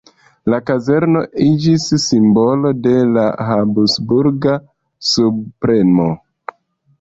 La kazerno iĝis simbolo de la Habsburga subpremo.